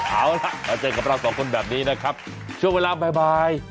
เอาล่ะมาเจอกับเราสองคนแบบนี้นะครับช่วงเวลาบ่าย